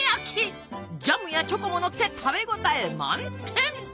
ジャムやチョコものって食べ応え満点！